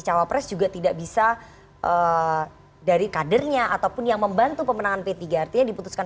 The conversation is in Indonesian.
cawapres juga tidak bisa dari kadernya ataupun yang membantu pemenangan p tiga artinya diputuskan